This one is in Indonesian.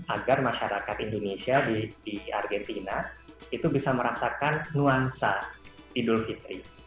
agar masyarakat indonesia di argentina itu bisa merasakan nuansa idul fitri